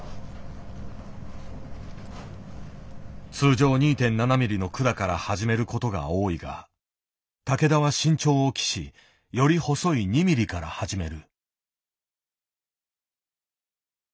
通常２．７ｍｍの管から始めることが多いが竹田は慎重を期しより細い２ｍｍから始める。